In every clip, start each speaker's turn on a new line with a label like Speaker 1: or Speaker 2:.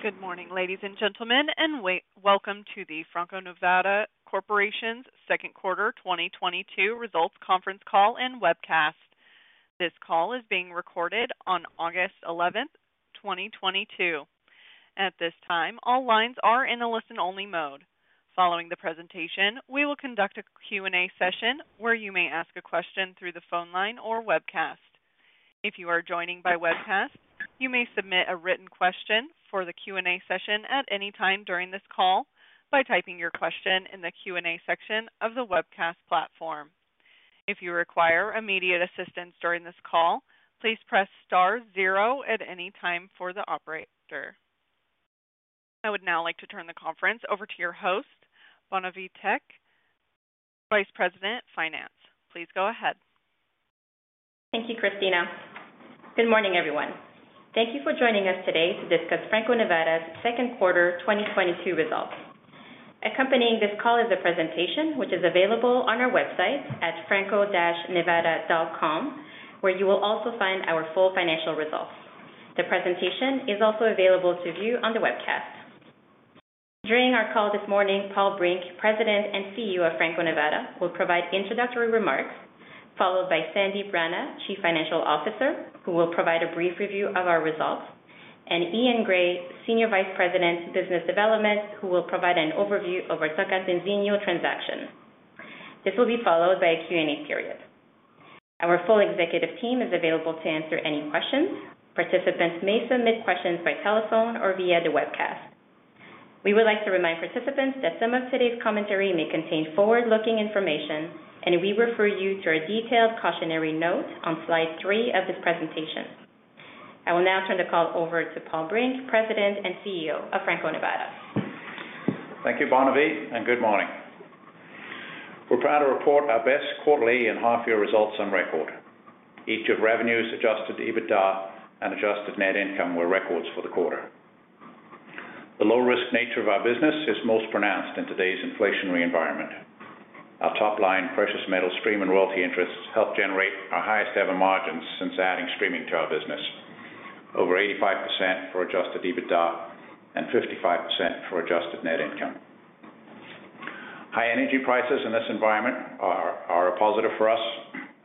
Speaker 1: Good morning, ladies and gentlemen, and welcome to the Franco-Nevada Corporation's Q2 2022 results Conference Call and webcast. This call is being recorded on August 11, 2022. At this time, all lines are in a listen-only mode. Following the presentation, we will conduct a Q&A session where you may ask a question through the phone line or webcast. If you are joining by webcast, you may submit a written question for the Q&A session at any time during this call by typing your question in the Q&A section of the webcast platform. If you require immediate assistance during this call, please press star zero at any time for the operator. I would now like to turn the conference over to your host, Bonavie Tek, Vice President, Finance. Please go ahead.
Speaker 2: Thank you, Christina. Good morning, everyone. Thank you for joining us today to discuss Franco-Nevada's Q2 2022 results. Accompanying this call is a presentation, which is available on our website at franco-nevada.com, where you will also find our full financial results. The presentation is also available to view on the webcast. During our call this morning, Paul Brink, President and CEO of Franco-Nevada, will provide introductory remarks, followed by Sandip Rana, Chief Financial Officer, who will provide a brief review of our results, and Eaun Gray, Senior Vice President, Business Development, who will provide an overview of our Tocantinzinho transaction. This will be followed by a Q&A period. Our full executive team is available to answer any questions. Participants may submit questions by telephone or via the webcast. We would like to remind participants that some of today's commentary may contain forward-looking information, and we refer you to our detailed cautionary note on slide three of this presentation. I will now turn the call over to Paul Brink, President and CEO of Franco-Nevada.
Speaker 3: Thank you, Bonavie, and good morning. We're proud to report our best quarterly and half-year results on record. Revenue, adjusted EBITDA, and adjusted net income were records for the quarter. The low-risk nature of our business is most pronounced in today's inflationary environment. Our top-line precious metal stream and royalty interests help generate our highest ever margins since adding streaming to our business. Over 85% for adjusted EBITDA and 55% for adjusted net income. High energy prices in this environment are a positive for us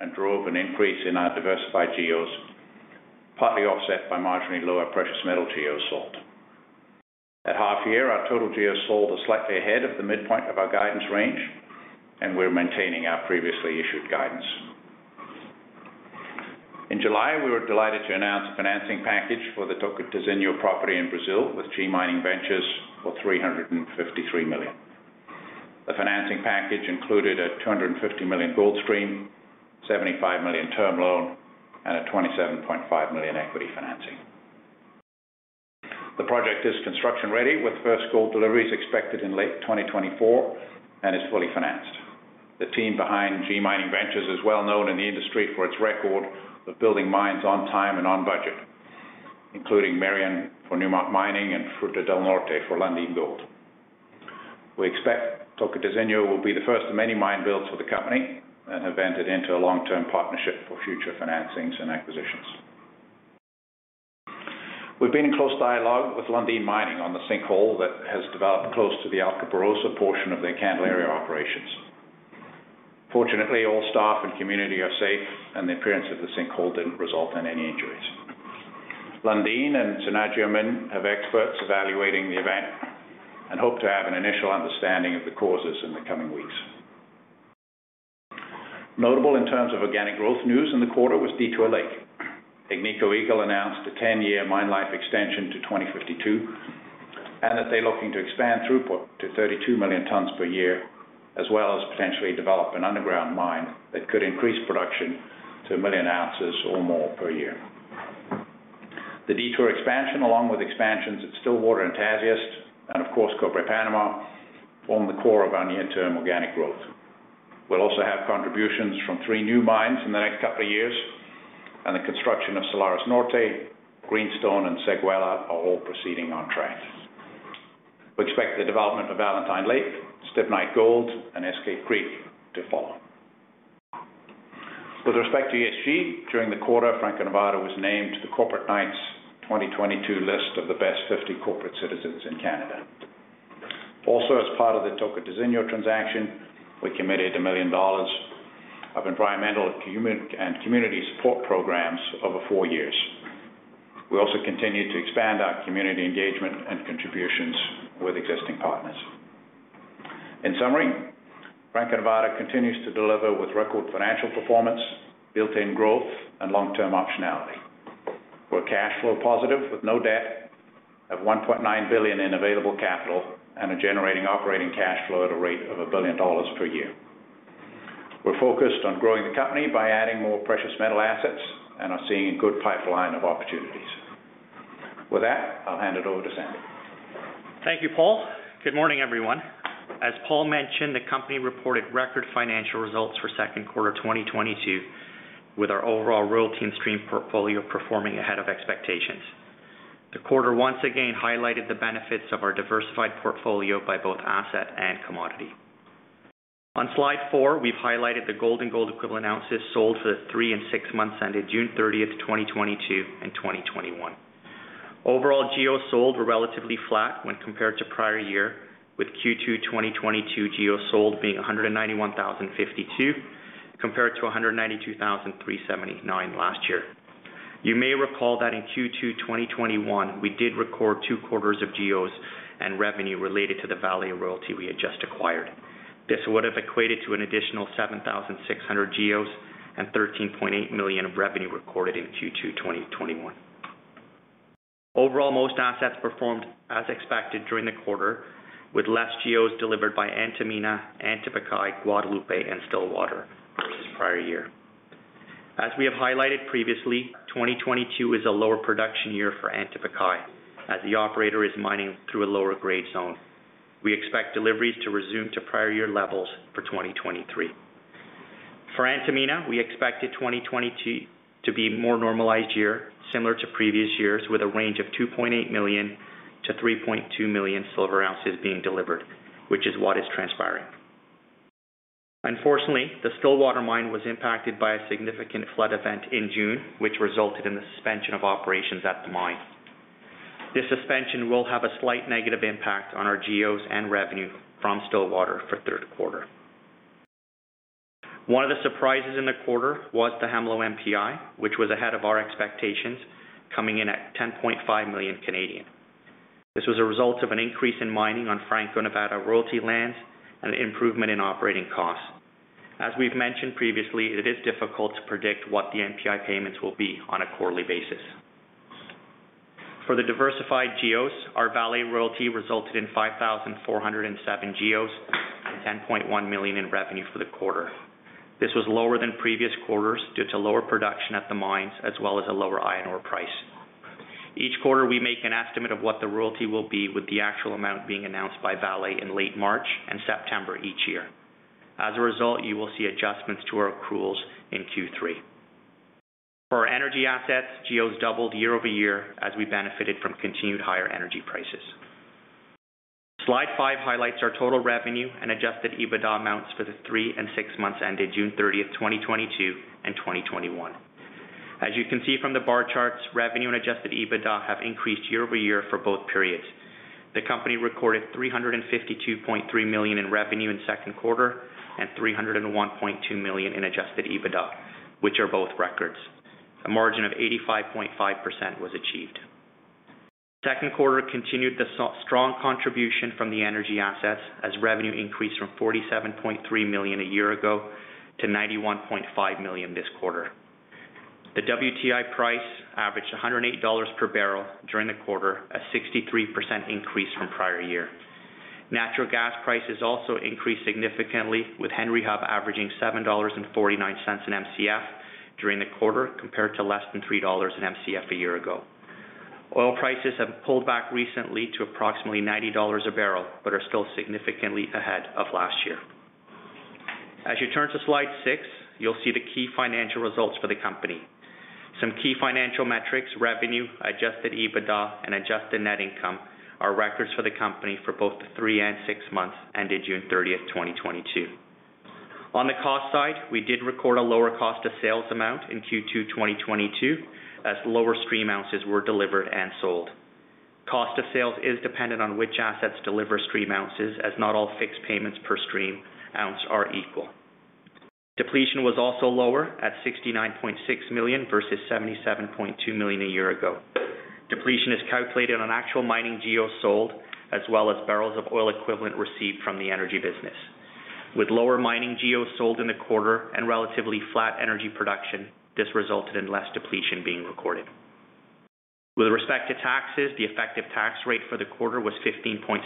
Speaker 3: and drove an increase in our diversified GEOs, partly offset by marginally lower precious metal GEO sold. At half-year, our total GEOs sold are slightly ahead of the midpoint of our guidance range, and we're maintaining our previously issued guidance. In July, we were delighted to announce a financing package for the Tocantinzinho property in Brazil with G Mining Ventures for $353 million. The financing package included a $250 million gold stream, $75 million term loan, and a $27.5 million equity financing. The project is construction ready with first gold deliveries expected in late 2024 and is fully financed. The team behind G Mining Ventures is well-known in the industry for its record of building mines on time and on budget, including Merian for Newmont Mining and Fruta del Norte for Lundin Gold. We expect Tocantinzinho will be the first of many mine builds for the company and have entered into a long-term partnership for future financings and acquisitions. We've been in close dialogue with Lundin Mining on the sinkhole that has developed close to the Alcaparrosa portion of their Candelaria operations. Fortunately, all staff and community are safe, and the appearance of the sinkhole didn't result in any injuries. Lundin and SERNAGEOMIN have experts evaluating the event and hope to have an initial understanding of the causes in the coming weeks. Notable in terms of organic growth news in the quarter was Detour Lake. Agnico Eagle announced a 10-year mine life extension to 2052, and that they're looking to expand throughput to 32 million tons per year, as well as potentially develop an underground mine that could increase production to 1 million ounces or more per year. The Detour expansion, along with expansions at Stillwater and Tasiast, and of course, Cobre Panama, form the core of our near-term organic growth. We'll also have contributions from 3 new mines in the next couple of years, and the construction of Salares Norte, Greenstone, and Séguéla are all proceeding on track. We expect the development of Valentine Lake, Stibnite Gold, and Eskay Creek to follow. With respect to ESG, during the quarter, Franco-Nevada was named the Corporate Knights 2022 list of the best 50 corporate citizens in Canada. Also, as part of the Tocantinzinho transaction, we committed $1 million of environmental and community support programs over four years. We also continued to expand our community engagement and contributions with existing partners. In summary, Franco-Nevada continues to deliver with record financial performance, built-in growth, and long-term optionality. We're cash flow positive with no debt of $1.9 billion in available capital and are generating operating cash flow at a rate of $1 billion per year. We're focused on growing the company by adding more precious metal assets and are seeing a good pipeline of opportunities. With that, I'll hand it over to Sandip.
Speaker 4: Thank you, Paul. Good morning, everyone. As Paul mentioned, the company reported record financial results for Q2 2022, with our overall royalty and stream portfolio performing ahead of expectations. The quarter once again highlighted the benefits of our diversified portfolio by both asset and commodity. On slide four, we've highlighted the gold and gold equivalent ounces sold for the three and six months ended June 30, 2022 and 2021. Overall, GEOs sold were relatively flat when compared to prior year, with Q2 2022 GEOs sold being 191,052 compared to 192,379 last-year. You may recall that in the Q2 2021, we did record two quarters of GEOs and revenue related to the Vale Royalty we had just acquired. This would have equated to an additional 7,600 GEOs and $13.8 million of revenue recorded in the Q2 2021. Overall, most assets performed as expected during the quarter, with less GEOs delivered by Antamina, Antapaccay, Guadalupe, and Stillwater versus prior year. As we have highlighted previously, 2022 is a lower production year for Antapaccay as the operator is mining through a lower-grade zone. We expect deliveries to resume to prior year levels for 2023. For Antamina, we expected 2020 to be more normalized year similar to previous years, with a range of 2.8 million to 3.2 million silver ounces being delivered, which is what is transpiring. Unfortunately, the Stillwater Mine was impacted by a significant flood event in June, which resulted in the suspension of operations at the mine. This suspension will have a slight negative impact on our GEOs and revenue from Stillwater for Q3. One of the surprises in the quarter was the Hemlo NPI, which was ahead of our expectations, coming in at 10.5 million. This was a result of an increase in mining on Franco-Nevada royalty lands and an improvement in operating costs. As we've mentioned previously, it is difficult to predict what the NPI payments will be on a quarterly basis. For the diversified GEOs, our Vale Royalty resulted in 5,407 GEOs and $10.1 million in revenue for the quarter. This was lower than previous quarters due to lower production at the mines, as well as a lower iron ore price. Each quarter, we make an estimate of what the royalty will be, with the actual amount being announced by Vale in late March and September each year. As a result, you will see adjustments to our accruals in Q3. For our energy assets, GEOs doubled year-over-year as we benefited from continued higher energy prices. Slide 5 highlights our total revenue and adjusted EBITDA amounts for the 3 and 6 months ended June 30, 2022 and 2021. As you can see from the bar charts, revenue and adjusted EBITDA have increased year-over-year for both periods. The company recorded $352.3 million in revenue in the Q2 and $301.2 million in adjusted EBITDA, which are both records. A margin of 85.5% was achieved. Q2 continued the strong contribution from the energy assets as revenue increased from $47.3 million a year ago to $91.5 million this quarter. The WTI price averaged $108 per barrel during the quarter, a 63% increase from prior year. Natural gas prices also increased significantly with Henry Hub averaging $7.49/Mcf during the quarter compared to less than $3/Mcf a year ago. Oil prices have pulled back recently to approximately $90 a barrel, but are still significantly ahead of last-year. As you turn to slide 6, you'll see the key financial results for the company. Some key financial metrics, revenue, adjusted EBITDA and adjusted net income are records for the company for both the 3 and 6 months ended June 30, 2022. On the cost side, we did record a lower cost of sales amount in the Q2 2022 as lower-stream ounces were delivered and sold. Cost of sales is dependent on which assets deliver stream ounces as not all fixed payments per stream ounce are equal. Depletion was also lower at $69.6 million versus $77.2 million a year ago. Depletion is calculated on actual mining GEOs sold as well as barrels of oil equivalent received from the energy business. With lower mining GEOs sold in the quarter and relatively flat energy production, this resulted in less depletion being recorded. With respect to taxes, the effective tax rate for the quarter was 15.7%,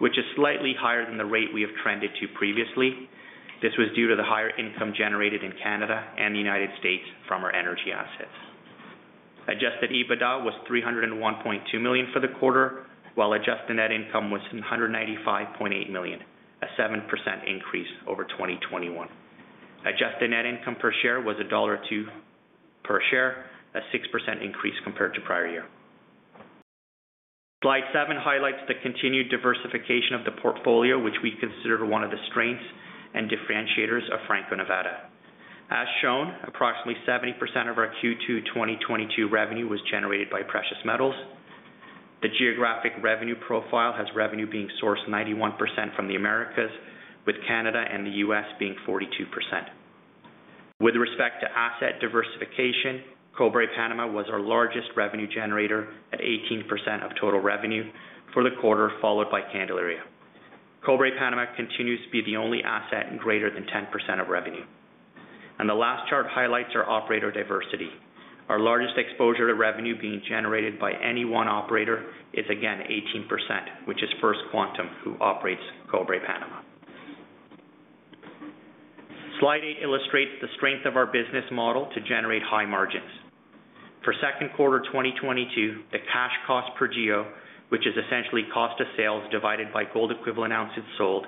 Speaker 4: which is slightly higher than the rate we have trended to previously. This was due to the higher income generated in Canada and the United States from our energy assets. Adjusted EBITDA was $301.2 million for the quarter, while adjusted net income was $195.8 million, a 7% increase over 2021. Adjusted net income per share was $2 per share, a 6% increase compared to prior year. Slide 7 highlights the continued diversification of the portfolio, which we consider one of the strengths and differentiators of Franco-Nevada. As shown, approximately 70% of our Q2 2022 revenue was generated by precious metals. The geographic revenue profile has revenue being sourced 91% from the Americas, with Canada and the U.S. being 42%. With respect to asset diversification, Cobre Panamá was our largest revenue generator at 18% of total revenue for the quarter, followed by Candelaria. Cobre Panamá continues to be the only asset in greater than 10% of revenue. The last chart highlights our operator diversity. Our largest exposure to revenue being generated by any one operator is again 18%, which is First Quantum, who operates Cobre Panamá. Slide 8 illustrates the strength of our business model to generate high-margins. For Q2 2022, the cash cost per geo, which is essentially cost of sales divided by gold equivalent ounces sold,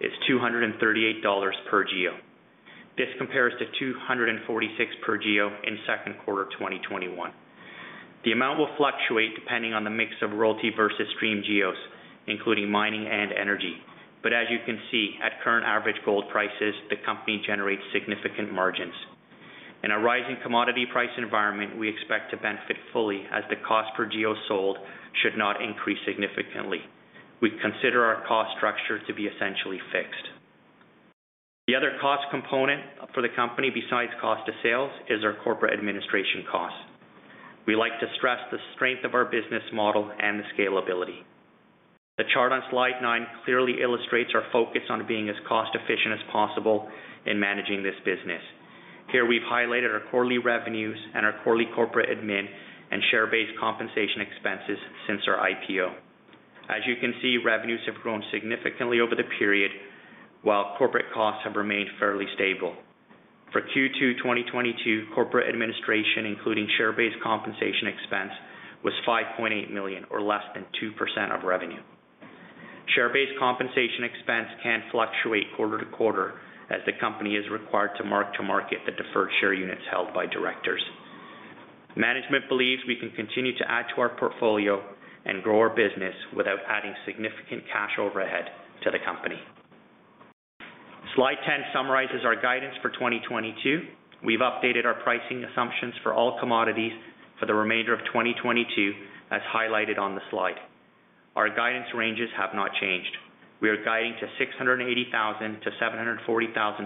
Speaker 4: is $238 per geo. This compares to $246 per geo in the Q2 2021. The amount will fluctuate depending on the mix of royalty versus stream geos, including mining and energy. As you can see, at current average gold prices, the company generates significant margins. In a rising commodity price environment, we expect to benefit fully as the cost per geo sold should not increase significantly. We consider our cost structure to be essentially fixed. The other cost component for the company besides cost of sales is our corporate administration costs. We like to stress the strength of our business model and the scalability. The chart on slide 9 clearly illustrates our focus on being as cost efficient as possible in managing this business. Here, we've highlighted our quarterly revenues and our quarterly corporate admin and share-based compensation expenses since our IPO. As you can see, revenues have grown significantly over the period while corporate costs have remained fairly stable. For Q2 2022 corporate administration, including share-based compensation expense, was $5.8 million or less than 2% of revenue. Share-based compensation expense can fluctuate quarter to quarter as the company is required to mark to market the deferred share units held by directors. Management believes we can continue to add to our portfolio and grow our business without adding significant cash overhead to the company. Slide 10 summarizes our guidance for 2022. We've updated our pricing assumptions for all commodities for the remainder of 2022, as highlighted on the slide. Our guidance ranges have not changed. We are guiding to 680,000-740,000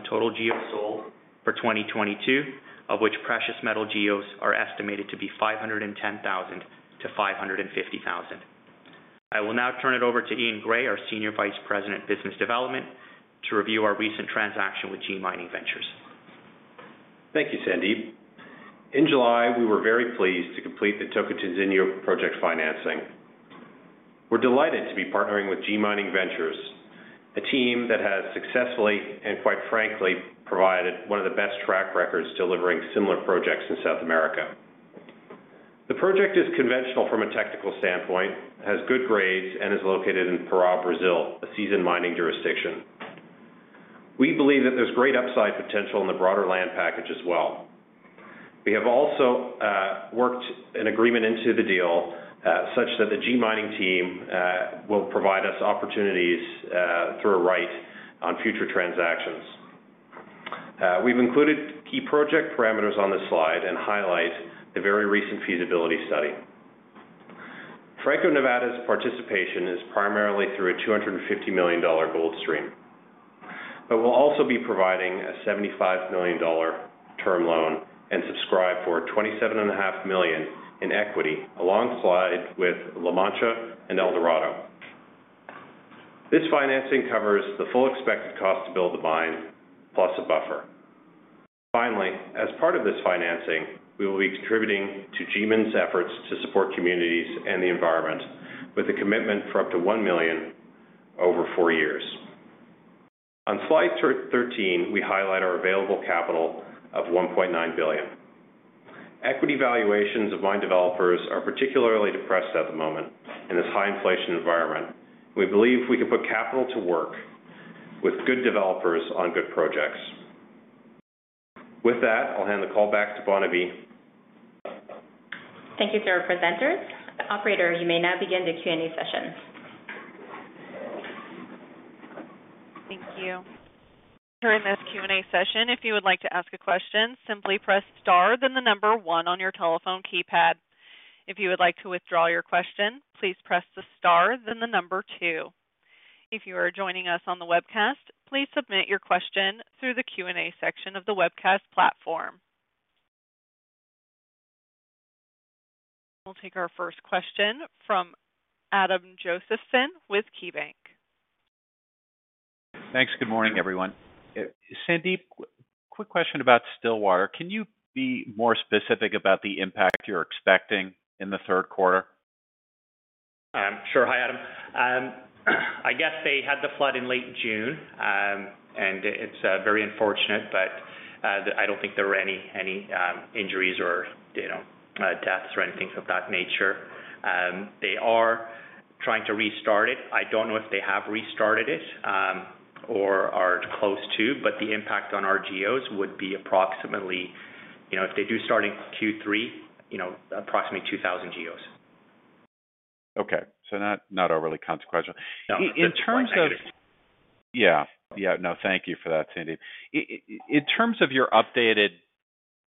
Speaker 4: total GEOs sold for 2022, of which precious metal GEOs are estimated to be 510,000-550,000. I will now turn it over to Eaun Gray, our Senior Vice President, Business Development, to review our recent transaction with G Mining Ventures.
Speaker 5: Thank you, Sandeep. In July, we were very pleased to complete the Tocantinzinho project financing. We're delighted to be partnering with G Mining Ventures, a team that has successfully and quite frankly provided one of the best track records delivering similar projects in South America. The project is conventional from a technical standpoint, has good grades, and is located in Pará, Brazil, a seasoned mining jurisdiction. We believe that there's great upside potential in the broader land package as well. We have also worked an agreement into the deal such that the G Mining team will provide us opportunities through a right on future transactions. We've included key project parameters on this slide and highlight the very recent feasibility study. Franco-Nevada's participation is primarily through a $250 million gold stream, but we'll also be providing a $75 million term loan and subscribe for $27.5 million in equity, alongside with La Mancha and Eldorado Gold. This financing covers the full expected cost to build the mine, plus a buffer. Finally, as part of this financing, we will be contributing to G Mining Ventures' efforts to support communities and the environment with a commitment for up to $1 million over four years. On slide thirteen, we highlight our available capital of $1.9 billion. Equity valuations of mine developers are particularly depressed at the moment in this high-inflation environment. We believe we can put capital to work with good developers on good projects. With that, I'll hand the call back to Bonavie.
Speaker 2: Thank you to our presenters. Operator, you may now begin the Q&A session.
Speaker 1: Thank you. During this Q&A session, if you would like to ask a question, simply press star then 1 on your telephone keypad. If you would like to withdraw your question, please press the star then 2. If you are joining us on the webcast, please submit your question through the Q&A section of the webcast platform. We'll take our first question from Adam Josephson with KeyBanc.
Speaker 6: Thanks. Good morning, everyone. Sandip, quick question about Stillwater. Can you be more specific about the impact you're expecting in the Q3?
Speaker 4: Sure. Hi, Adam. I guess they had the flood in late June. It's very unfortunate, but I don't think there were any injuries or, you know, deaths or anything of that nature. They are trying to restart it. I don't know if they have restarted it or are close to, but the impact on our GEOs would be approximately, you know, if they do start in Q3, you know, approximately 2,000 GEOs.
Speaker 6: Okay. Not overly consequential.
Speaker 4: No.
Speaker 6: In terms of.
Speaker 4: It's quite negative.
Speaker 6: Yeah. No, thank you for that, Sandeep. In terms of your updated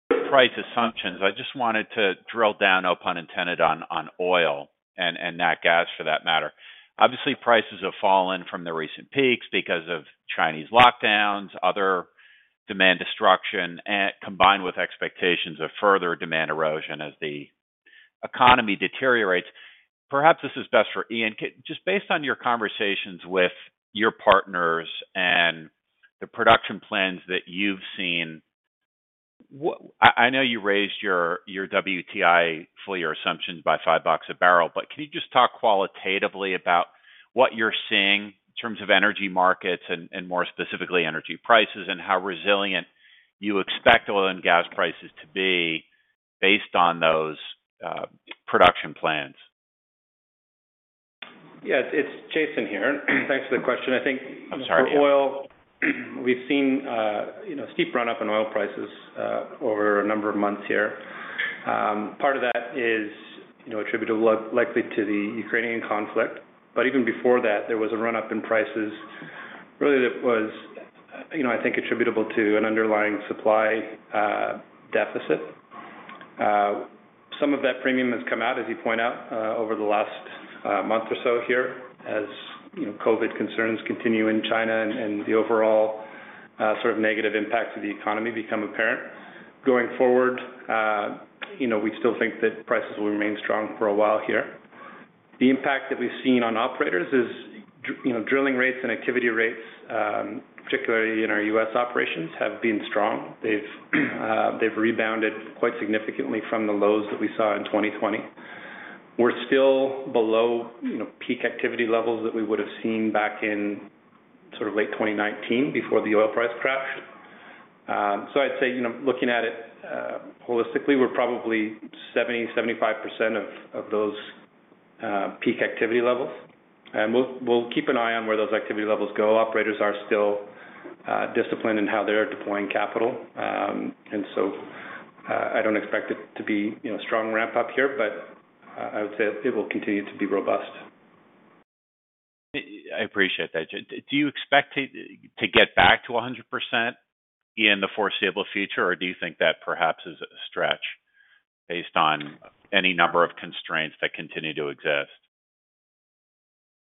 Speaker 6: price assumptions, I just wanted to drill down, no pun intended, on oil and nat gas for that matter. Obviously, prices have fallen from the recent peaks because of Chinese lockdowns, other demand destruction, combined with expectations of further demand erosion as the economy deteriorates. Perhaps this is best for Eaun. Just based on your conversations with your partners and the production plans that you've seen, I know you raised your WTI full-year assumptions by $5 a barrel, but can you just talk qualitatively about what you're seeing in terms of energy markets and, more specifically, energy prices and how resilient you expect oil and gas prices to be based on those production plans?
Speaker 7: Yes, it's Jason here. Thanks for the question. I think.
Speaker 6: I'm sorry.
Speaker 7: For oil, we've seen, you know, steep run-up in oil prices over a number of months here. Part of that is, you know, attributable likely to the Ukrainian conflict. Even before that, there was a run-up in prices really that was, you know, I think attributable to an underlying supply deficit. Some of that premium has come out, as you point out, over the last month or so here, as, you know, COVID concerns continue in China and the overall sort of negative impact to the economy become apparent. Going forward, you know, we still think that prices will remain strong for a while here. The impact that we've seen on operators is, you know, drilling rates and activity rates, particularly in our U.S. operations, have been strong. They've rebounded quite significantly from the lows that we saw in 2020. We're still below, you know, peak activity levels that we would've seen back in sort of late 2019 before the oil price crashed. I'd say, you know, looking at it, holistically, we're probably 70%-75% of those peak activity levels. We'll keep an eye on where those activity levels go. Operators are still disciplined in how they're deploying capital. I don't expect it to be, you know, a strong ramp-up here, but I would say it will continue to be robust.
Speaker 6: I appreciate that, Jason. Do you expect it to get back to 100% in the foreseeable future, or do you think that perhaps is a stretch based on any number of constraints that continue to exist?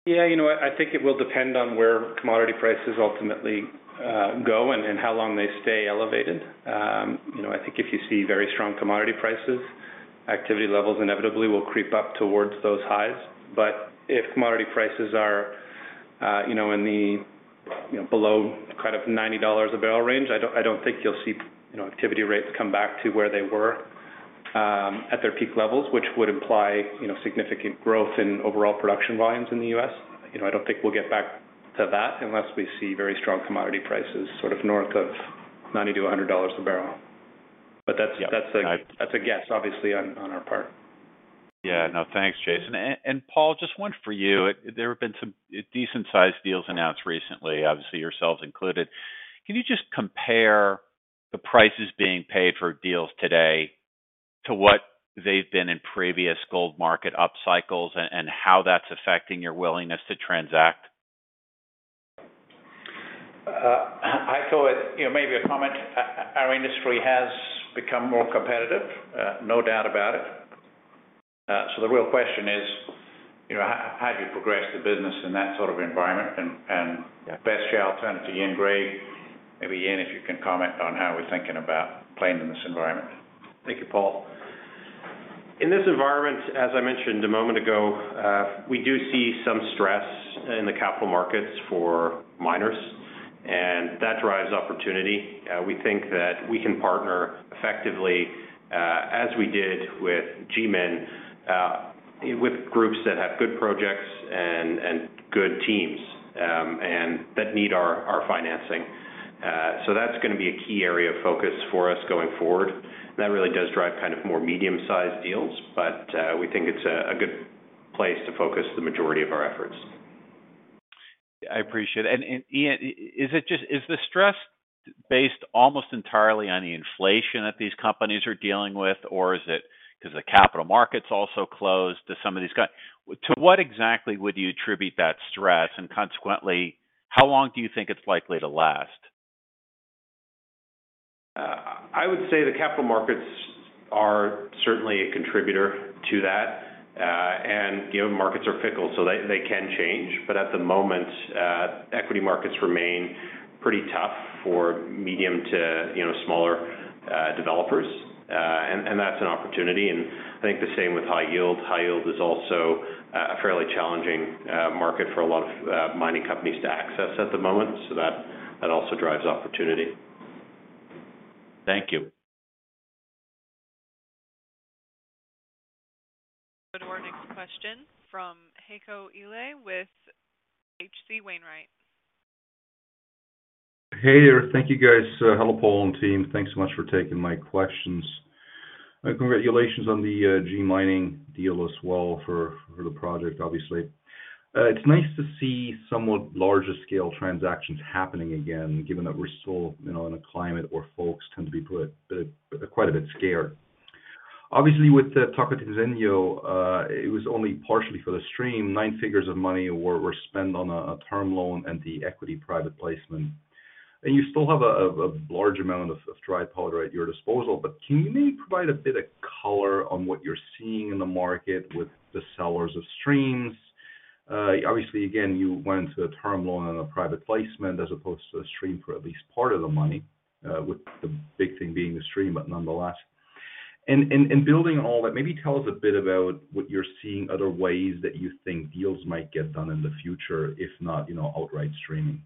Speaker 7: Yeah, you know what? I think it will depend on where commodity prices ultimately go and how long they stay elevated. You know, I think if you see very strong commodity prices, activity levels inevitably will creep up towards those highs. But if commodity prices are, you know, in the, you know, below kind of $90 a barrel range, I don't think you'll see, you know, activity rates come back to where they were at their peak levels, which would imply, you know, significant growth in overall production volumes in the US. You know, I don't think we'll get back to that unless we see very strong commodity prices, sort of north of $90-$100 a barrel. But that's.
Speaker 6: Yeah.
Speaker 7: That's a guess, obviously, on our part.
Speaker 6: Yeah. No, thanks, Jason. Paul, just one for you. There have been some decent sized deals announced recently, obviously yourselves included. Can you just compare the prices being paid for deals today to what they've been in previous gold market up cycles and how that's affecting your willingness to transact?
Speaker 3: I thought, you know, maybe a comment. Our industry has become more competitive, no doubt about it. The real question is, you know, how do you progress the business in that sort of environment? Let's turn to Eaun Gray. Maybe, Eaun, if you can comment on how we're thinking about playing in this environment.
Speaker 5: Thank you, Paul. In this environment, as I mentioned a moment ago, we do see some stress in the capital markets for miners, and that drives opportunity. We think that we can partner effectively, as we did with GMIN, with groups that have good projects and good teams, and that need our financing. That's gonna be a key area of focus for us going forward. That really does drive kind of more medium-sized deals, but we think it's a good place to focus the majority of our efforts.
Speaker 6: I appreciate it. Eaun, is the stress based almost entirely on the inflation that these companies are dealing with, or is it 'cause the capital markets also closed to some of these guys? To what exactly would you attribute that stress, and consequently, how long do you think it's likely to last?
Speaker 5: I would say the capital markets are certainly a contributor to that. Given markets are fickle, so they can change. At the moment, equity markets remain pretty tough for medium to, you know, smaller developers. That's an opportunity. I think the same with high-yield. High-yield is also a fairly challenging market for a lot of mining companies to access at the moment, so that also drives opportunity.
Speaker 6: Thank you.
Speaker 1: Our next question from Heiko Ihle with H.C. Wainwright & Co.
Speaker 8: Hey there. Thank you, guys. Hello, Paul and team. Thanks so much for taking my questions. Congratulations on the G Mining deal as well for the project, obviously. It's nice to see somewhat larger scale transactions happening again, given that we're still, you know, in a climate where folks tend to be quite a bit scared. Obviously, with the Tocantinzinho, it was only partially for the stream. Nine figures of money were spent on a term loan and the equity private placement. You still have a large amount of dry powder at your disposal. Can you maybe provide a bit of color on what you're seeing in the market with the sellers of streams? Obviously, again, you went into a term loan and a private placement as opposed to a stream for at least part of the money, with the big thing being the stream, but nonetheless. Building all that, maybe tell us a bit about what you're seeing, other ways that you think deals might get done in the future, if not, you know, outright streaming.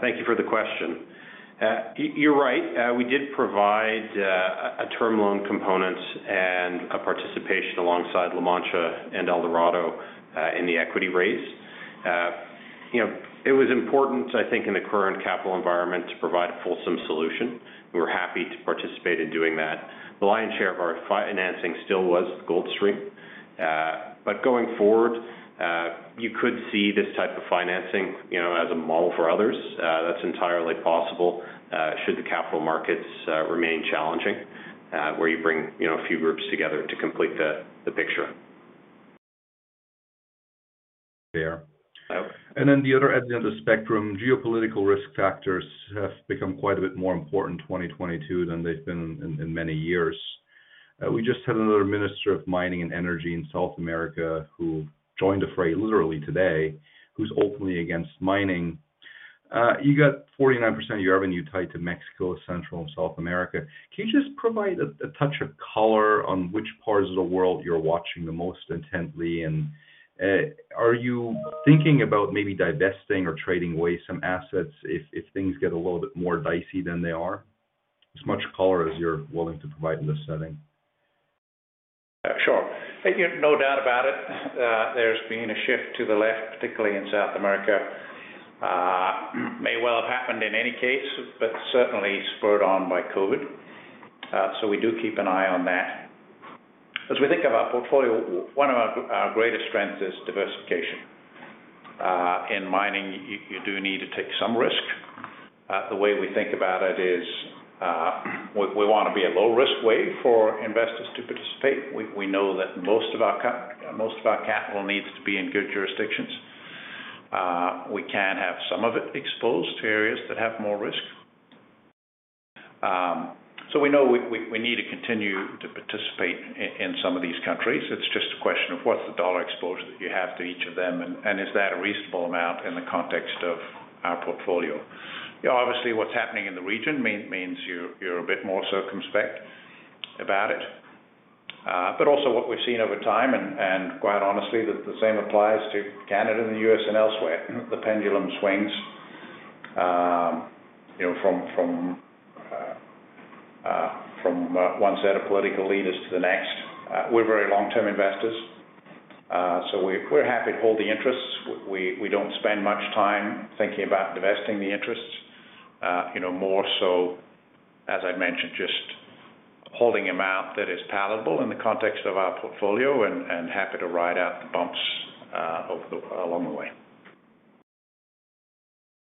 Speaker 5: Thank you for the question. You're right. We did provide a term loan component and a participation alongside La Mancha and Eldorado Gold in the equity raise.
Speaker 3: You know, it was important, I think, in the current capital environment to provide a fulsome solution. We were happy to participate in doing that. The lion's share of our financing still was gold stream. Going forward, you could see this type of financing, you know, as a model for others, that's entirely possible, should the capital markets remain challenging, where you bring, you know, a few groups together to complete the picture.
Speaker 8: There.
Speaker 3: Oh.
Speaker 8: The other end of the spectrum, geopolitical risk factors have become quite a bit more important in 2022 than they've been in many years. We just had another minister of mining and energy in South America who joined the fray literally today, who's openly against mining. You got 49% of your revenue tied to Mexico, Central and South America. Can you just provide a touch of color on which parts of the world you're watching the most intently? Are you thinking about maybe divesting or trading away some assets if things get a little bit more dicey than they are? As much color as you're willing to provide in this setting.
Speaker 3: Sure. I think no doubt about it, there's been a shift to the left, particularly in South America. May well have happened in any case, but certainly spurred on by COVID. We do keep an eye on that. As we think of our portfolio, one of our greatest strengths is diversification. In mining, you do need to take some risk. The way we think about it is, we wanna be a low-risk way for investors to participate. We know that most of our capital needs to be in good jurisdictions. We can have some of it exposed to areas that have more risk. We know we need to continue to participate in some of these countries. It's just a question of what's the dollar exposure that you have to each of them, and is that a reasonable amount in the context of our portfolio? You know, obviously, what's happening in the region means you're a bit more circumspect about it. But also what we've seen over time and quite honestly, the same applies to Canada and the US and elsewhere. The pendulum swings, you know, from one set of political leaders to the next. We're very long-term investors. So we're happy to hold the interests. We don't spend much time thinking about divesting the interests. You know, more so, as I mentioned, just holding amount that is palatable in the context of our portfolio and happy to ride out the bumps along the way.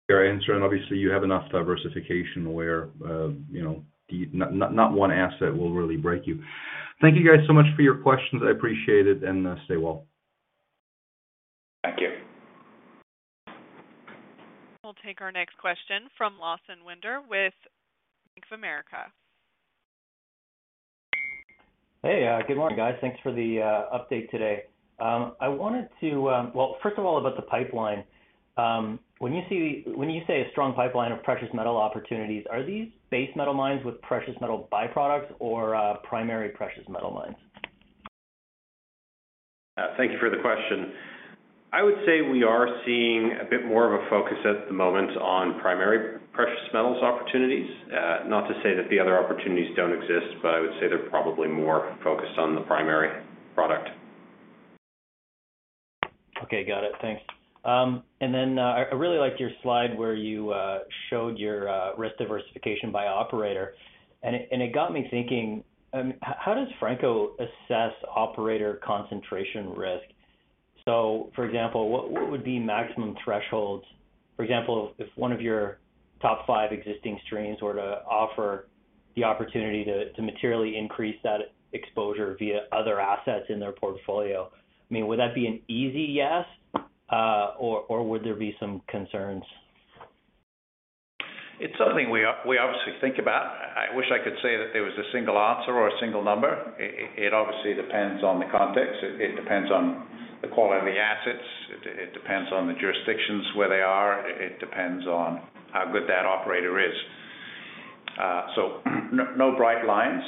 Speaker 8: Great answer, and obviously, you have enough diversification where you know not one asset will really break you. Thank you guys so much for your questions. I appreciate it, and stay well.
Speaker 3: Thank you.
Speaker 1: We'll take our next question from Lawson Winder with Bank of America.
Speaker 9: Hey, good morning, guys. Thanks for the update today. Well, first of all, about the pipeline, when you say a strong pipeline of precious metal opportunities, are these base metal mines with precious metal byproducts or primary precious metal mines?
Speaker 3: Thank you for the question. I would say we are seeing a bit more of a focus at the moment on primary precious metals opportunities. Not to say that the other opportunities don't exist, but I would say they're probably more focused on the primary product.
Speaker 9: Okay. Got it. Thanks. I really liked your slide where you showed your risk diversification by operator, and it got me thinking, how does Franco assess operator concentration risk? For example, what would be maximum thresholds? For example, if one of your top five existing streams were to offer the opportunity to materially increase that exposure via other assets in their portfolio, I mean, would that be an easy yes, or would there be some concerns?
Speaker 3: It's something we obviously think about. I wish I could say that there was a single answer or a single number. It obviously depends on the context. It depends on the quality of the assets. It depends on the jurisdictions where they are. It depends on how good that operator is. No bright lines.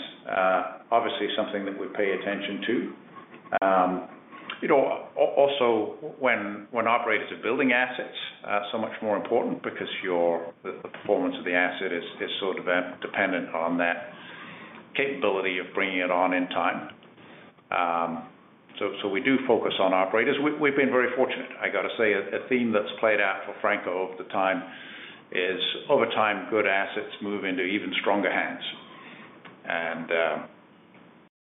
Speaker 3: Obviously something that we pay attention to. You know, also when operators are building assets, so much more important because the performance of the asset is sort of dependent on that capability of bringing it on in time. So we do focus on operators. We've been very fortunate. I gotta say a theme that's played out for Franco over time is over time, good assets move into even stronger hands.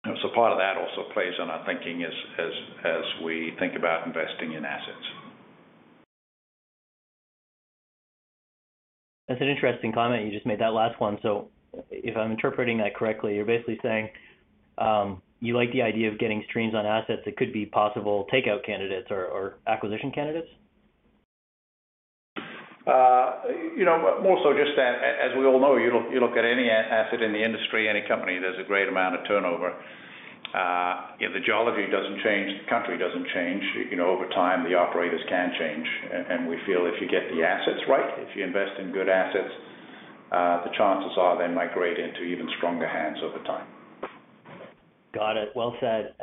Speaker 3: Part of that also plays on our thinking as we think about investing in assets.
Speaker 9: That's an interesting comment you just made, that last one. If I'm interpreting that correctly, you're basically saying you like the idea of getting streams on assets that could be possible takeout candidates or acquisition candidates?
Speaker 3: You know, more so just that, as we all know, you look at any asset in the industry, any company, there's a great amount of turnover. If the geology doesn't change, the country doesn't change, you know, over time, the operators can change. We feel if you get the assets right, if you invest in good assets, the chances are they migrate into even stronger hands over time.
Speaker 9: Got it. Well said.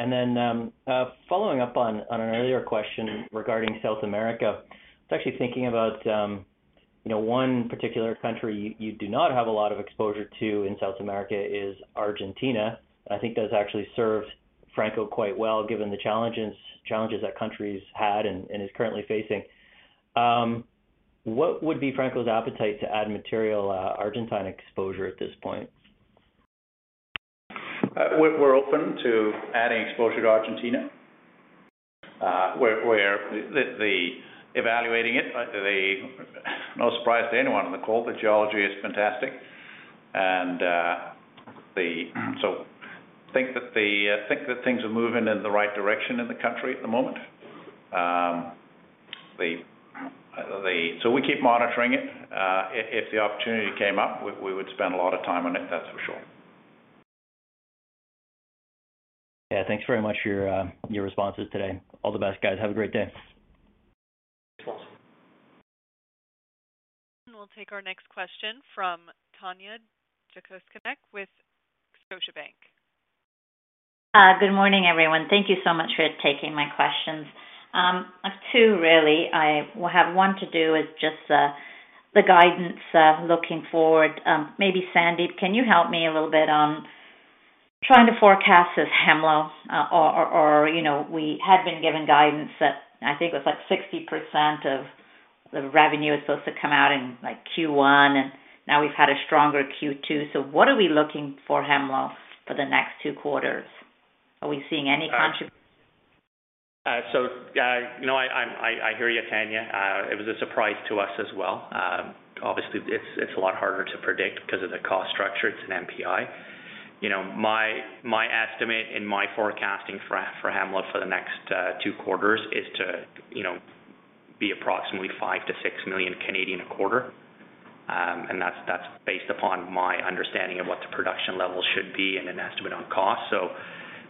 Speaker 9: Following up on an earlier question regarding South America, I was actually thinking about. You know, one particular country you do not have a lot of exposure to in South America is Argentina. I think that's actually served Franco quite well, given the challenges that country's had and is currently facing. What would be Franco's appetite to add material Argentine exposure at this point?
Speaker 3: We're open to adding exposure to Argentina. We're evaluating it. No surprise to anyone on the call, the geology is fantastic. We think that things are moving in the right direction in the country at the moment. We keep monitoring it. If the opportunity came up, we would spend a lot of time on it, that's for sure.
Speaker 9: Yeah. Thanks very much for your responses today. All the best, guys. Have a great day.
Speaker 3: Thanks, Lawson Winder.
Speaker 1: We'll take our next question from Tanya Jakusconek with Scotiabank.
Speaker 10: Good morning, everyone. Thank you so much for taking my questions. I've two really. I have one to do with just the guidance looking forward. Maybe Sandip, can you help me a little bit on trying to forecast this Hemlo? Or, you know, we had been given guidance that I think it was like 60% of the revenue is supposed to come out in like Q1, and now we've had a stronger Q2. What are we looking for Hemlo for the next two quarters? Are we seeing any contribution?
Speaker 4: You know, I hear you, Tanya. It was a surprise to us as well. Obviously it's a lot harder to predict 'cause of the cost structure. It's an NPI. You know, my estimate and my forecasting for Hemlo for the next 2 quarters is to you know be approximately 5 million-6 million a quarter. That's based upon my understanding of what the production level should be and an estimate on cost.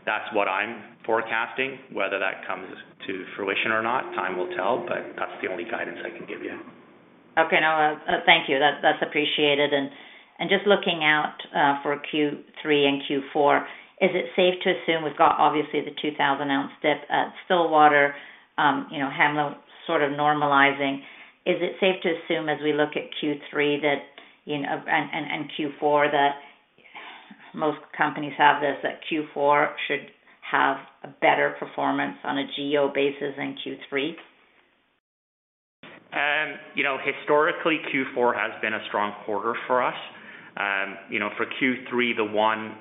Speaker 4: That's what I'm forecasting. Whether that comes to fruition or not, time will tell, but that's the only guidance I can give you.
Speaker 10: Okay. No, thank you. That's appreciated. Just looking out for Q3 and Q4, is it safe to assume we've got obviously the 2,000-ounce dip at Stillwater, you know, Hemlo sort of normalizing. Is it safe to assume as we look at Q3 that, you know, Q4 that most companies have this, that Q4 should have a better performance on a GEO basis than Q3?
Speaker 4: You know, historically, Q4 has been a strong quarter for us. For Q3, the one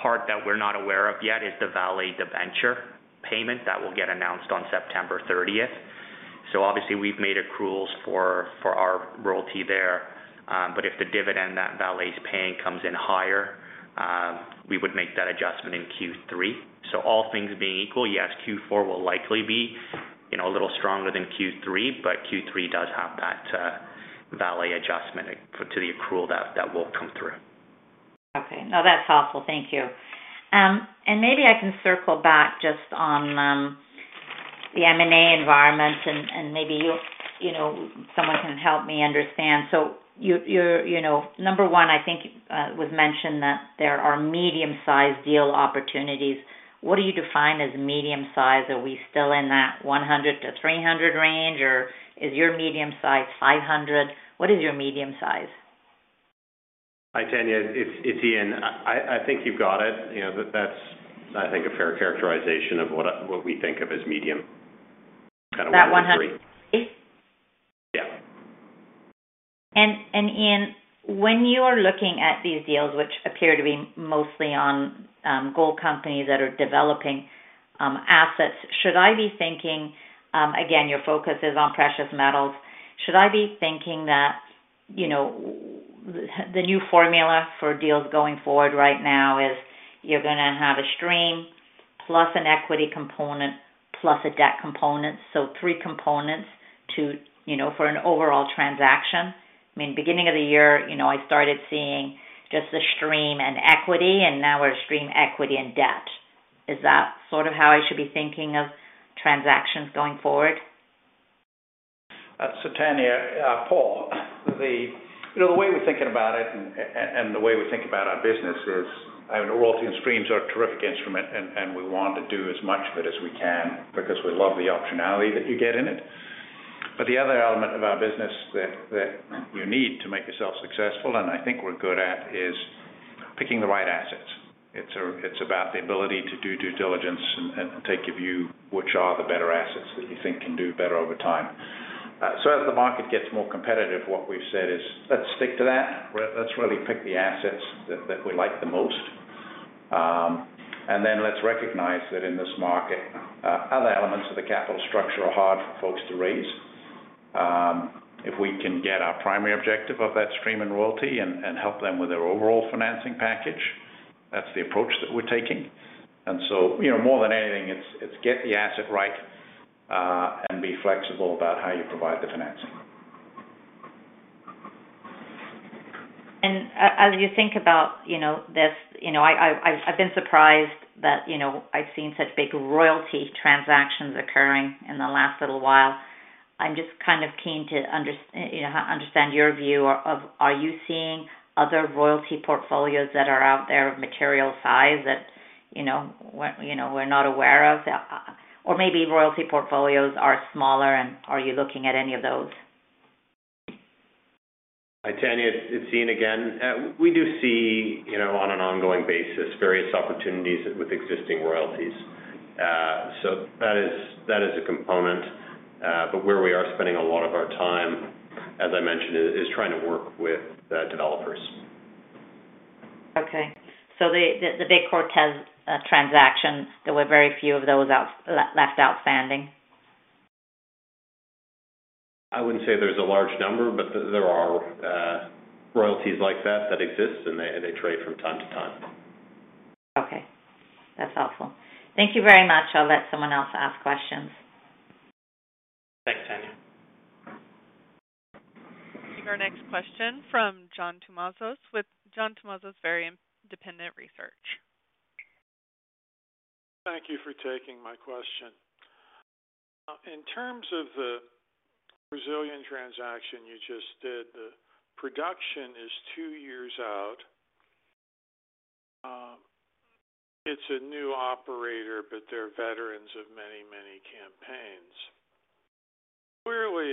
Speaker 4: part that we're not aware of yet is the Vale debenture payment that will get announced on September thirtieth. Obviously we've made accruals for our royalty there. If the dividend that Vale's paying comes in higher, we would make that adjustment in Q3. All things being equal, yes, Q4 will likely be a little stronger than Q3, but Q3 does have that Vale adjustment to the accrual that will come through.
Speaker 10: Okay. No, that's helpful. Thank you. Maybe I can circle back just on the M&A environment, and maybe you'll, you know, someone can help me understand. You know, number one, I think, was mentioned that there are medium-sized deal opportunities. What do you define as medium-size? Are we still in that 100-300 range, or is your medium size 500? What is your medium size?
Speaker 5: Hi, Tanya. It's Eaun. I think you've got it. You know, that's I think a fair characterization of what we think of as medium. Kinda one through three.
Speaker 10: That 100.
Speaker 3: Yeah.
Speaker 10: Eaun, when you are looking at these deals, which appear to be mostly on gold companies that are developing assets, should I be thinking, again, your focus is on precious metals. Should I be thinking that, you know, the new formula for deals going forward right now is you're gonna have a stream plus an equity component plus a debt component, so three components to, you know, for an overall transaction? I mean, beginning of the year, you know, I started seeing just the stream and equity, and now we're stream, equity and debt. Is that sort of how I should be thinking of transactions going forward?
Speaker 3: Tanya, Paul, you know, the way we're thinking about it and the way we think about our business is, I mean, royalty and streams are a terrific instrument, and we want to do as much of it as we can because we love the optionality that you get in it. The other element of our business that you need to make yourself successful, and I think we're good at, is picking the right assets. It's about the ability to do due diligence and take a view which are the better assets that you think can do better over time. As the market gets more competitive, what we've said is, let's stick to that. Let's really pick the assets that we like the most. Let's recognize that in this market, other elements of the capital structure are hard for folks to raise. If we can get our primary objective of that stream and royalty and help them with their overall financing package, that's the approach that we're taking. You know, more than anything, it's get the asset right and be flexible about how you provide the financing.
Speaker 10: As you think about, you know, this, you know, I've been surprised that, you know, I've seen such big royalty transactions occurring in the last little while. I'm just kind of keen to, you know, understand your view of are you seeing other royalty portfolios that are out there of material size. You know, we're not aware of. Or maybe royalty portfolios are smaller and are you looking at any of those?
Speaker 5: Hi, Tanya. It's Euan again. We do see, you know, on an ongoing basis various opportunities with existing royalties. So that is a component. But where we are spending a lot of our time, as I mentioned, is trying to work with the developers.
Speaker 10: The big Cortez transaction, there were very few of those left outstanding.
Speaker 5: I wouldn't say there's a large number, but there are royalties like that that exist, and they trade from time to time.
Speaker 10: Okay, that's helpful. Thank you very much. I'll let someone else ask questions.
Speaker 3: Thanks, Tanya.
Speaker 1: Our next question from John Tumazos with John Tumazos Very Independent Research.
Speaker 11: Thank you for taking my question. In terms of the Brazilian transaction you just did, the production is two years out. It's a new operator, but they're veterans of many, many campaigns. Clearly,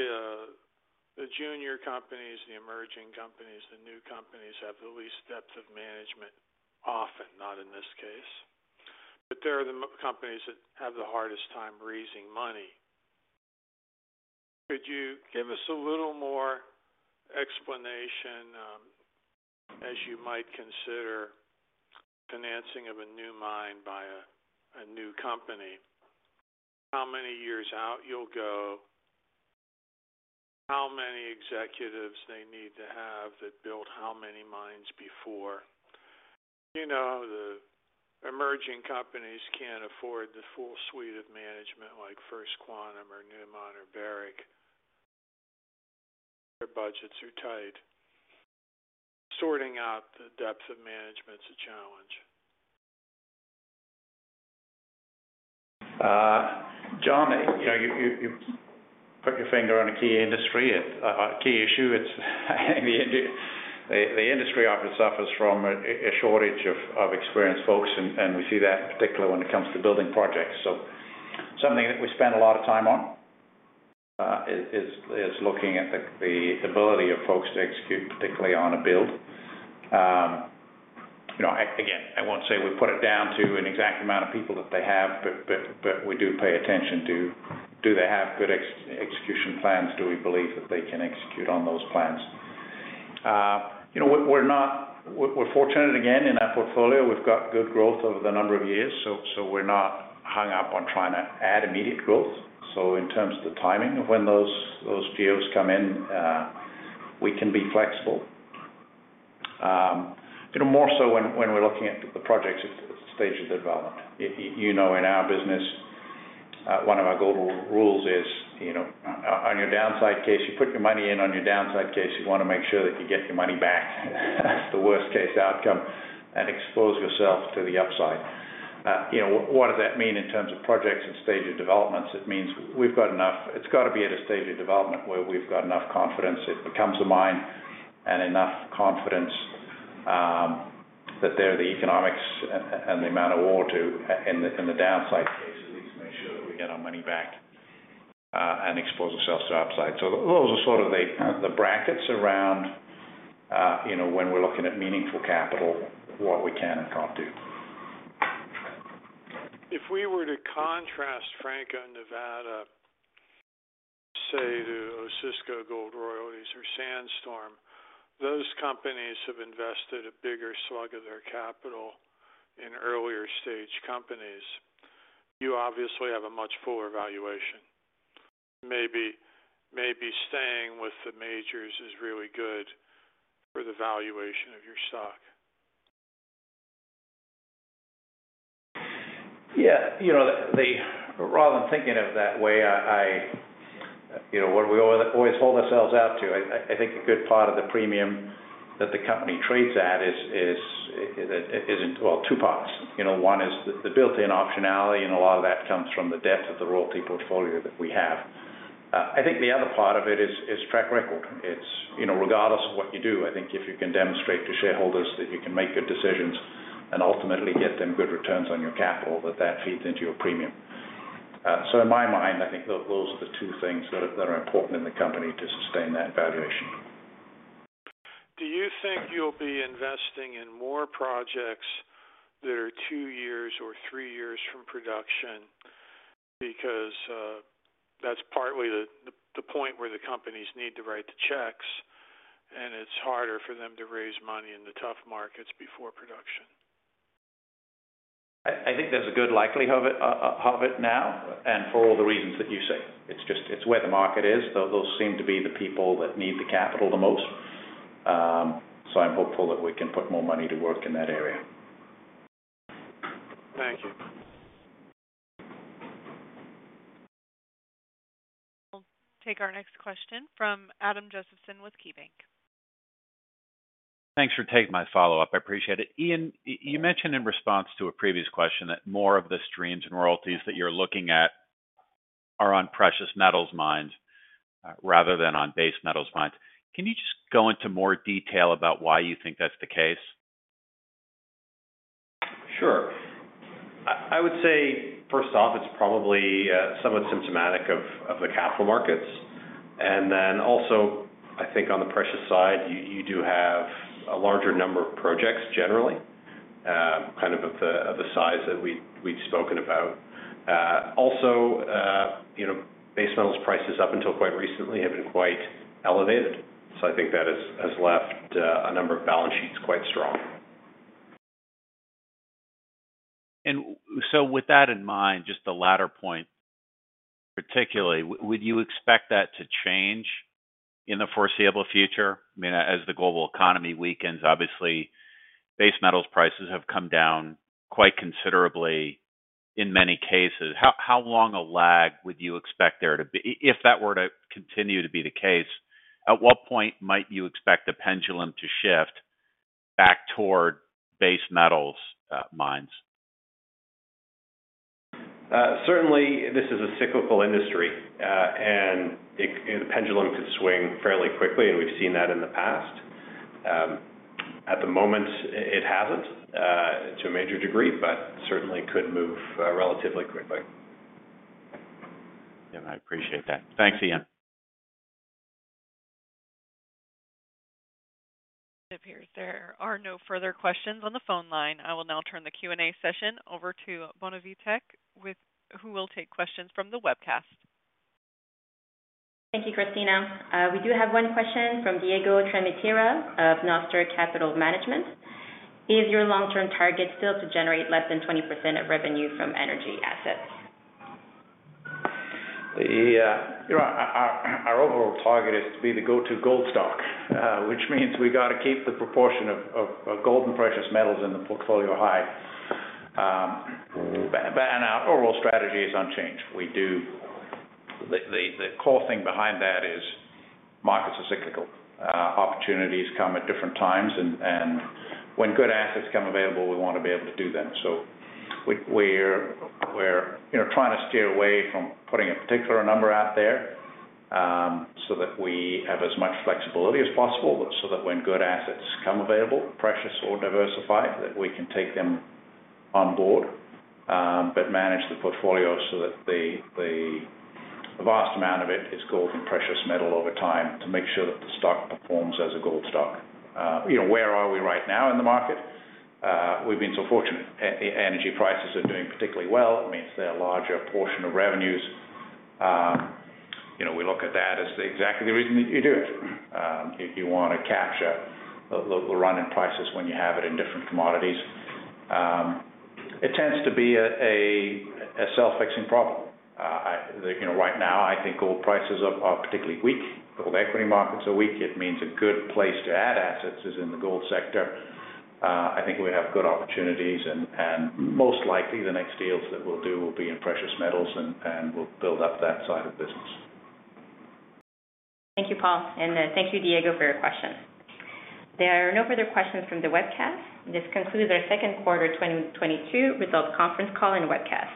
Speaker 11: the junior companies, the emerging companies, the new companies have the least depth of management, often, not in this case. They're the companies that have the hardest time raising money. Could you give us a little more explanation, as you might consider financing of a new mine by a new company? How many years out you'll go? How many executives they need to have that have built how many mines before? You know, the emerging companies can't afford the full suite of management like First Quantum or Newmont or Barrick. Their budgets are tight. Sorting out the depth of management's a challenge.
Speaker 3: John, you put your finger on a key industry. It's a key issue. It's the industry often suffers from a shortage of experienced folks, and we see that in particular when it comes to building projects. Something that we spend a lot of time on is looking at the ability of folks to execute, particularly on a build. You know, I won't say we put it down to an exact amount of people that they have, but we do pay attention to, do they have good execution plans? Do we believe that they can execute on those plans? You know, we're fortunate again in our portfolio. We've got good growth over the number of years, we're not hung up on trying to add immediate growth. In terms of the timing of when those deals come in, we can be flexible. More so when we're looking at the projects' stage of development. In our business, one of our golden rules is, on your downside case, you put your money in. On your downside case, you wanna make sure that you get your money back, that's the worst case outcome, and expose yourself to the upside. What does that mean in terms of projects and stage of developments? It means we've got enough. It's gotta be at a stage of development where we've got enough confidence it becomes a mine, and enough confidence that there are the economics and the amount of ore to, in the downside case, at least make sure that we get our money back, and expose ourselves to upside. Those are sort of the brackets around, you know, when we're looking at meaningful capital, what we can and can't do.
Speaker 11: If we were to contrast Franco-Nevada, say, to Osisko Gold Royalties or Sandstorm, those companies have invested a bigger slug of their capital in earlier stage companies. You obviously have a much fuller valuation. Maybe staying with the majors is really good for the valuation of your stock.
Speaker 3: Yeah. You know, rather than thinking of it that way, you know, what we always hold ourselves out to, I think a good part of the premium that the company trades at is in, well, two parts. You know, one is the built-in optionality, and a lot of that comes from the depth of the royalty portfolio that we have. I think the other part of it is track record. You know, regardless of what you do, I think if you can demonstrate to shareholders that you can make good decisions and ultimately get them good returns on your capital, that feeds into your premium. In my mind, I think those are the two things that are important in the company to sustain that valuation.
Speaker 11: Do you think you'll be investing in more projects that are two years or three years from production? Because that's partly the point where the companies need to write the checks, and it's harder for them to raise money in the tough markets before production.
Speaker 3: I think there's a good likelihood of it now, and for all the reasons that you say. It's just, it's where the market is. Those seem to be the people that need the capital the most. I'm hopeful that we can put more money to work in that area.
Speaker 11: Thank you.
Speaker 1: We'll take our next question from Adam Josephson with KeyBanc.
Speaker 6: Thanks for taking my follow-up. I appreciate it. Eaun, you mentioned in response to a previous question that more of the streams and royalties that you're looking at. Are on precious metals mines, rather than on base metals mines. Can you just go into more detail about why you think that's the case?
Speaker 5: Sure. I would say first off, it's probably somewhat symptomatic of the capital markets. Then also I think on the precious side, you do have a larger number of projects generally, kind of of the size that we've spoken about. Also, you know, base metals prices up until quite recently have been quite elevated. I think that has left a number of balance sheets quite strong.
Speaker 6: With that in mind, just the latter point, particularly, would you expect that to change in the foreseeable future? I mean, as the global economy weakens, obviously base metals prices have come down quite considerably in many cases. How long a lag would you expect there to be? If that were to continue to be the case, at what point might you expect the pendulum to shift back toward base metals mines?
Speaker 5: Certainly this is a cyclical industry, and it, you know, the pendulum could swing fairly quickly, and we've seen that in the past. At the moment, it hasn't to a major degree, but certainly could move relatively quickly.
Speaker 6: Yeah. I appreciate that. Thanks, Eaun.
Speaker 1: It appears there are no further questions on the phone line. I will now turn the Q&A session over to Bonavie, who will take questions from the webcast.
Speaker 2: Thank you, Christina. We do have one question from Diego Tramutola of Nostra Capital Management. Is your long-term target still to generate less than 20% of revenue from energy assets?
Speaker 3: You know, our overall target is to be the go-to gold stock, which means we gotta keep the proportion of gold and precious metals in the portfolio high. Our overall strategy is unchanged. The core thing behind that is markets are cyclical. Opportunities come at different times and when good assets come available, we want to be able to do them. We're, you know, trying to steer away from putting a particular number out there, so that we have as much flexibility as possible so that when good assets come available, precious or diversified, that we can take them on board. Manage the portfolio so that the vast amount of it is gold and precious metal over time to make sure that the stock performs as a gold stock. You know, where are we right now in the market? We've been so fortunate. Energy prices are doing particularly well. It means they're a larger portion of revenues. You know, we look at that as exactly the reason that you do it. If you wanna capture the run in prices when you have it in different commodities, it tends to be a self-fixing problem. You know, right now I think gold prices are particularly weak. Global equity markets are weak. It means a good place to add assets is in the gold sector. I think we have good opportunities and most likely the next deals that we'll do will be in precious metals and we'll build up that side of the business.
Speaker 2: Thank you, Paul. Thank you Diego for your question. There are no further questions from the webcast. This concludes our Q2 2022 results Conference Call and webcast.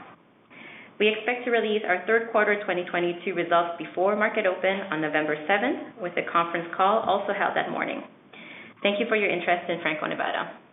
Speaker 2: We expect to release our Q3 2022 results before market open on November seventh, with a Conference Call also held that morning. Thank you for your interest in Franco-Nevada.